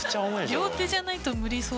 両手じゃないと無理そうですね。